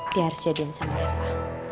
dia harus jadiin sama reva